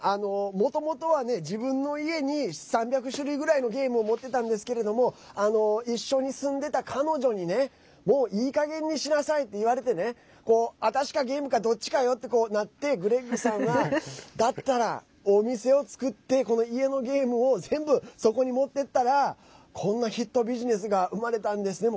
もともとは、自分の家に３００種類ぐらいのゲームを持ってたんですけれども一緒に住んでいた彼女に「もういいかげんにしなさい」と言われてね「私かゲームかどっちかよ」ってなってグレッグさんはだったら、お店を作って家のゲームを全部、そこに持ってったらこんなヒットビジネスが生まれたんですね。